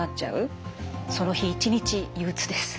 その日一日憂うつです。